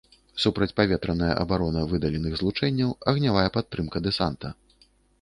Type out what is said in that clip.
Супрацьпаветраная абарона выдаленых злучэнняў, агнявая падтрымка дэсанта.